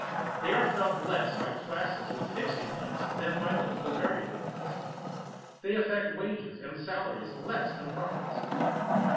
They are felt less by classes with fixed incomes than by those with variable ones. They affect wages and salaries less than profits.